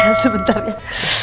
nih tunggu bentar ya